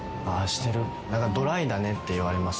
ドライだねっていわれます